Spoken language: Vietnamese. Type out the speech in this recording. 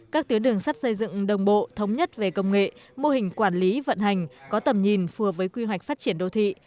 các tuyến đường sắt xây dựng đồng bộ thống nhất về công nghệ mô hình quản lý vận hành có tầm nhìn phù hợp với quy hoạch phát triển đô thị